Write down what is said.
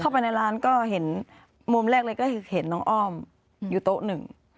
ไปในร้านก็เห็นมุมแรกเลยก็คือเห็นน้องอ้อมอยู่โต๊ะหนึ่ง